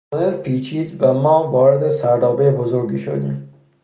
تونل پیچید و ما وارد سردابهی بزرگی شدیم.